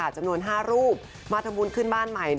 จำนวน๕รูปมาทำบุญขึ้นบ้านใหม่